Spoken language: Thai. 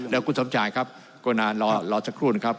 แล้วคุณสมชายครับกรุณารอสักครู่นะครับ